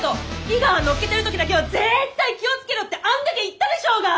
井川乗っけてる時だけはぜったい気を付けろってあんだけ言ったでしょうが！